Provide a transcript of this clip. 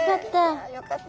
よかった。